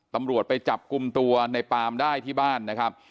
ตำรวจไปจับกลุ่มตัวในปามได้ที่บ้านนะครับ